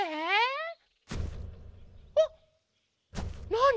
なに？